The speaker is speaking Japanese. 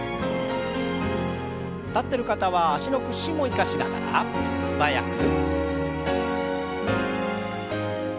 立ってる方は脚の屈伸も生かしながら素早く。